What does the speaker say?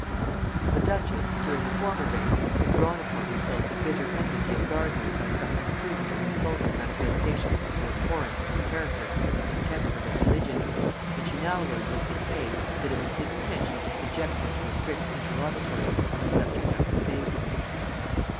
The duchess, during the former reign, had drawn upon herself the bitter enmity of Gardiner by some imprudent and insulting manifestations of her abhorrence of his character and contempt for his religion; and she now learned with dismay that it was his intention to subject her to a strict interrogatory on the subject of her faith.